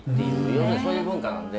要するにそういう文化なんで。